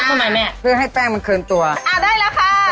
พักทำไมแม่เพื่อให้แป้งมันเคลิ่นตัวอ่า